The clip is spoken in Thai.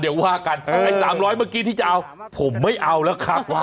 เดี๋ยวว่ากันไอ้๓๐๐เมื่อกี้ที่จะเอาผมไม่เอาแล้วครับ